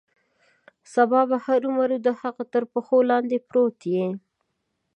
سبا به هرومرو د هغه تر پښو لاندې پروت یې.